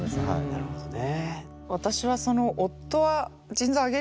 なるほどね。